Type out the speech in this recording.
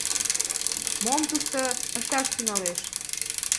Мом тушто ышташ тӱҥалеш?